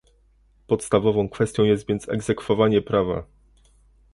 Podstawową kwestią jest więc egzekwowanie prawa